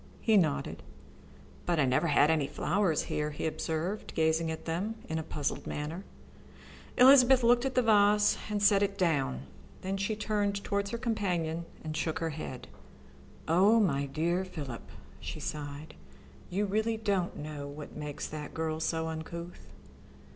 He nodded. "But I never had any flowers here," he observed, gazing at them in a puzzled manner. Elizabeth looked at the vase and set it down. Then she turned towards her companion and shook her head. "Oh, my dear Philip," she sighed, "you really don't know what makes that girl so uncouth?"